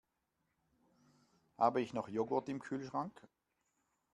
Habe ich noch Joghurt im Kühlschrank?